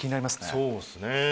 そうですね。